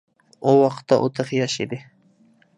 ئۇ ۋاقىتتا ئۇ تېخى ياش ئىدى.